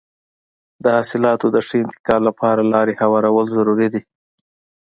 د حاصلاتو د ښه انتقال لپاره لاره هوارول ضروري دي.